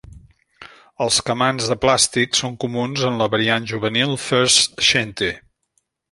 Els "camans" de plàstic són comuns en la variant juvenil "First Shinty".